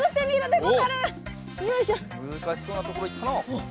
むずかしそうなところいったな。